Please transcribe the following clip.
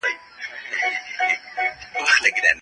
د زړګي خوراك وې